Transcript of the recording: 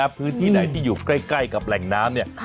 พื้นที่ไหนที่อยู่ใกล้กับแหล่งน้ำ